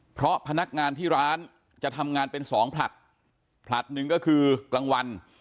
เพราะพนักงานที่ร้านจะทำงานเป็นสองผลัดผลัดหนึ่งก็คือกลางวัน